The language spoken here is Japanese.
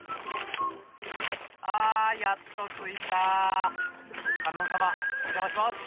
あやっと着いた観音様お邪魔します！